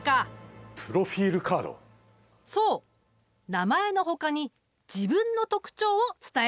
名前のほかに自分の特徴を伝えるんだ。